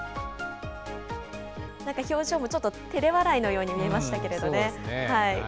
なんか表情もちょっとてれ笑いのように見えましたけれどもね。